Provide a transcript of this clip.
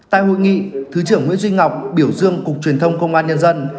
tại hội nghị thứ trưởng nguyễn duy ngọc biểu dương cục truyền thông công an nhân dân